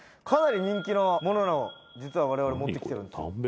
かなり人気のものを実は我々持ってきてるんです」